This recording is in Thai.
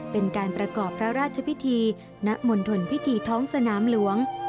เป็นการประกอบพระราชพิธีณมณฑลพิธีท้องสนามหลวง